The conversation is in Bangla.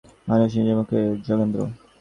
মানুষ নিজের মুখে- যোগেন্দ্র।